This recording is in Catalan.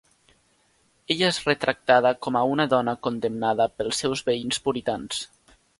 Ella és retractada com a una dona condemnada pels seus veïns puritans.